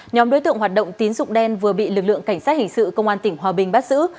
nhóm đối tượng hoạt động tín dụng đen vừa bị lực lượng cảnh sát hình sự công an tỉnh hòa bình bắt giữ